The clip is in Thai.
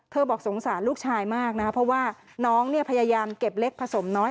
เธอบอกสงสารลูกชายมากเพราะว่าน้องพยายามเก็บเล็กผสมน้อย